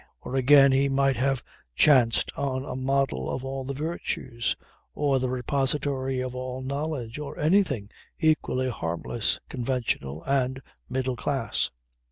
Or again he might have chanced on a model of all the virtues, or the repository of all knowledge, or anything equally harmless, conventional, and middle class.